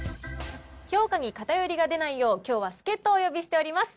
評価に偏りが出ないよう、きょうは助っ人をお呼びしております。